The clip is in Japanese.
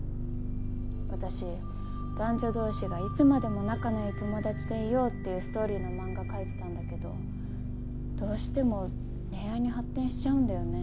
私男女同士がいつまでも仲のいい友達でいようっていうストーリーの漫画描いてたんだけどどうしても恋愛に発展しちゃうんだよね。